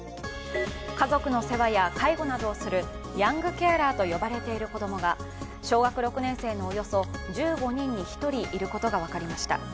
家族の世話や介護などをするヤングケアラーと呼ばれている子供が小学６年生のおよそ１５人に１人いることが分かりました。